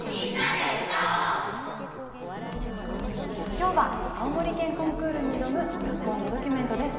きょうは青森県コンクールに挑む学校のドキュメントです。